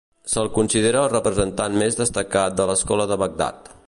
Se'l considera el representant més destacat de l'escola de Bagdad.